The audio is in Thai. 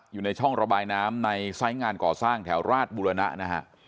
อยู่ในช่องระบายน้ำในไซส์งานก่อสร้างแถวราชบุรณะนะฮะ